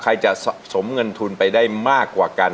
ใครจะสะสมเงินทุนไปได้มากกว่ากัน